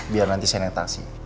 biar nanti saya netaksi